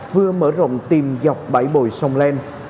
vừa mở rộng tìm dọc bãi bồi sông leng